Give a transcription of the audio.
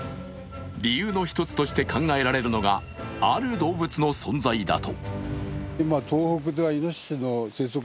理由の一つとして考えられるのがある動物の存在だと。